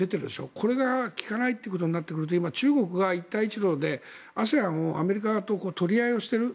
これが効かないということになってくると今、中国が一帯一路でＡＳＥＡＮをアメリカと取り合いをしている。